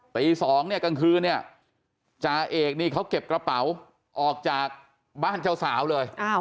ตี๒เนี่ยกลางคืนเนี่ยจ่าเอกนี่เขาเก็บกระเป๋าออกจากบ้านเจ้าสาวเลย